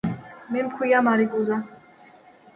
მე მქვია მარიკუზა